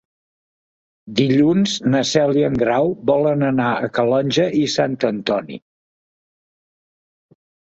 Dilluns na Cel i en Grau volen anar a Calonge i Sant Antoni.